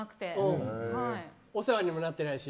お世話にもなってないし？